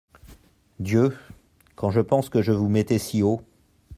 Dieu ! quand je pense que je vous mettais si haut !…